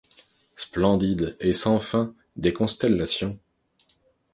Splendides et sans fin, des constellations